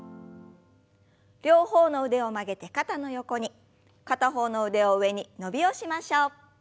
両方の腕を曲げて肩の横に片方の腕を上に伸びをしましょう。